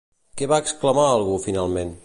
Què va exclamar algú finalment?